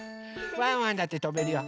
ワンワンだってとべるよ。